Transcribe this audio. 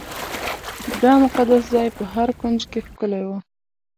دا مقدس ځای په هر کونج کې ښکلی و.